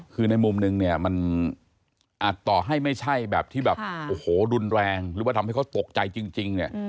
คือในมุมนึงมันอาจต่อให้ไม่ใช่แบบที่ดุนแรงหรือว่าทำให้เขาตกใจจริง